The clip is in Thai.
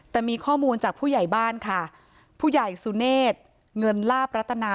แต่มีข้อมูลจากผู้ใหญ่บ้านค่ะผู้ใหญ่สุเนธเงินลาบรัตนา